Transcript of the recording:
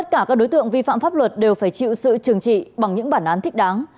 các đối tượng vi phạm pháp luật đều phải chịu sự trường trị bằng những bản án thích đáng